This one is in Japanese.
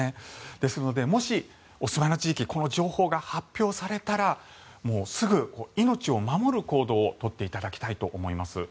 ですのでもし、お住まいの地域にこの情報が発表されたらすぐに命を守る行動を取っていただきたいと思います。